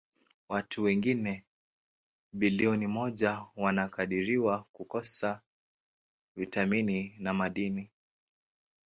Watu wengine bilioni moja wanakadiriwa kukosa vitamini na madini.